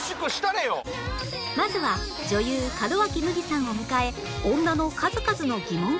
まずは女優門脇麦さんを迎え女の数々の疑問から